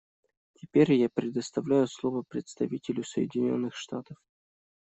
Теперь я предоставляю слово представителю Соединенных Штатов.